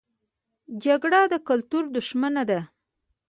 جګړه د کلتور دښمنه ده